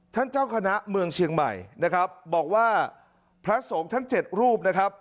เจ้าคณะเมืองเชียงใหม่นะครับบอกว่าพระสงฆ์ทั้ง๗รูปนะครับ